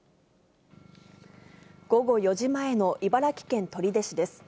午後４時前の茨城県取手市です。